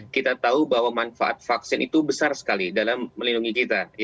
kita tahu bahwa manfaat vaksin itu besar sekali dalam melindungi kita